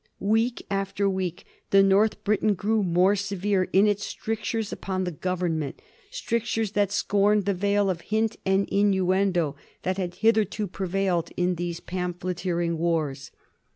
Week after week the North Briton grew more severe in its strictures upon the Government, strictures that scorned the veil of hint and innuendo that had hitherto prevailed in these pamphleteering wars.